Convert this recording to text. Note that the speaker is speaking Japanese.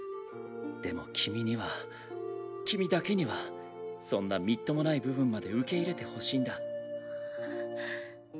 でも君には君だけにはそんなみっともない部分まで受け入れてほしいんだ。